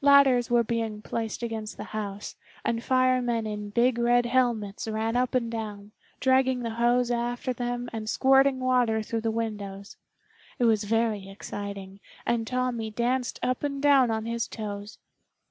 Ladders were being placed against the house, and firemen in big red helmets ran up and down, dragging the hose after them and squirting water through the windows. It was very exciting and Tommy danced up and down on his toes.